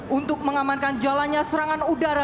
lanjut kesusahan senjata yang telah kita senjata adalah